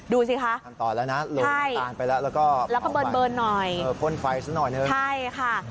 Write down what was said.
ดูสิคะใช่แล้วก็เบิร์นหน่อยใช่ค่ะ